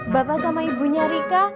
bapak sama ibunya rika